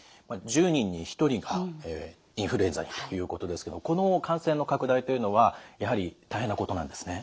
１０人に１人がインフルエンザにということですけどもこの感染の拡大というのはやはり大変なことなんですね。